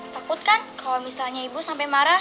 takut kan kalau misalnya ibu sampai marah